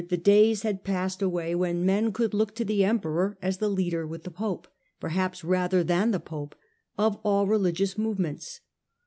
the days had passed away when men could look to the emperor as the leader with the pope — per haps rather than the pope — of all religious movements.